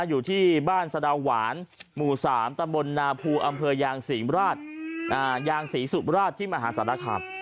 อยู่ที่บ้านสดาวหวานหมู่๓ตะบลนาภูอำเภยางศรีสุบราชที่มหาศาสตราคาร